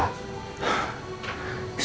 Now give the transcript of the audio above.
alhamdulillah lancar pak